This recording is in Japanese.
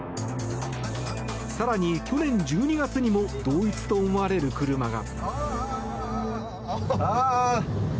更に、去年１２月にも同一と思われる車が。